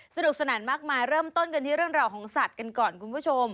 สนุกสนานมากมายเริ่มต้นกันที่เรื่องราวของสัตว์กันก่อนคุณผู้ชม